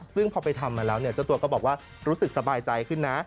ซึ่งพอไปทำมาแล้วเนี่ยเจ้าตัวก็บอกว่ารู้สึกสบายใจขึ้นนะ